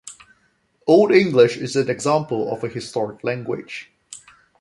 Old English is an example of a historic language.